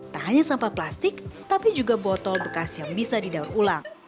tak hanya sampah plastik tapi juga botol bekas yang bisa didaur ulang